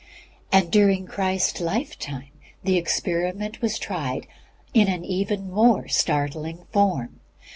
And during Christ's lifetime the experiment was tried in an even more startling form.